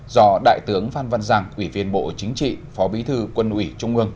do đại tướng phan văn giang ủy viên bộ chính trị phó bí thư quân ủy trung ương